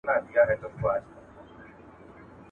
په سلگونو یې کورونه وه لوټلي.